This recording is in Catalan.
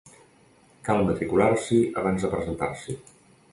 Cal matricular-s'hi abans de presentar-s'hi.